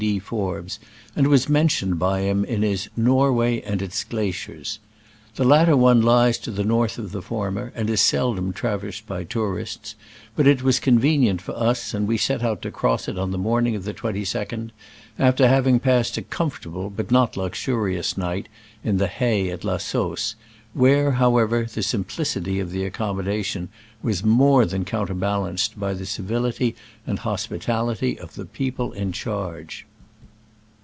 D. Forbes, and was mentioned by him in his Norway and Digitized by Google 8o SCRAMBLES AMONGST THE ALPS IN i86c> '69. its Glaciers, The latter one lies to the north of the former, and is seldom trav ersed by tourists, but it was convenient for us, and we set out to cross it on the morning of the 22d, after having passed a comfortable but not luxurious night in the hay at La Sausse, where, however, the simplicity of the accommodation was more than counterbalanced by the civility and hospitality of the people in charge.